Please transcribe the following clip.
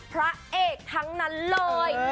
พระเอกทั้งนั้นเลย